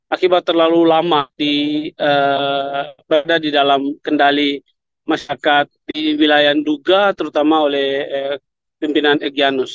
akibat terlalu lama berada di dalam kendali masyarakat di wilayah nduga terutama oleh pimpinan egyanus